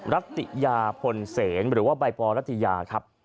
รัตยาพลเสนหรือว่าใบปอรัฐยาครับ